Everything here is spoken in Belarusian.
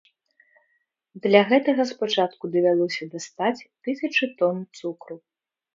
Для гэтага спачатку давялося дастаць тысячы тон цукру.